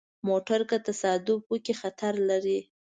موټر که تصادم وکړي، خطر لري.